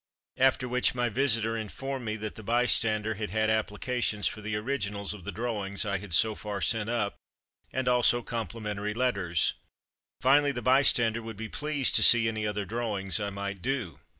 After which my visitor informed me that the Bystander had had applications for the originals of the drawings I had so far sent up, and also complimentary letters. Finally, the By stander would be pleased to see any other drawings I might do.